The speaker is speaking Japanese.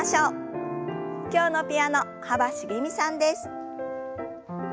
今日のピアノ幅しげみさんです。